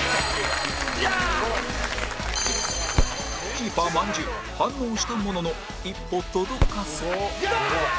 キーパーまんじゅう反応したものの一歩届かずくそっ！